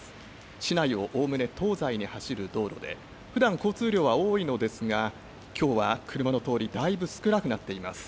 市内をおおむね東西に走る道路で、ふだん交通量は多いのですが、きょうは車の通り、だいぶ少なくなっています。